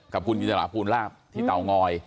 กับคุณอยุธรพูนราบที่เตางอย